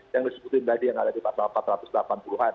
yang disebutin tadi yang ada di pasal empat ratus delapan puluh an